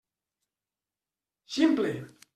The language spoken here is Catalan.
Ximple!